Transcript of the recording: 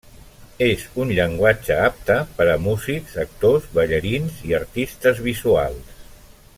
És un llenguatge apte per a músics, actors, ballarins i artistes visuals.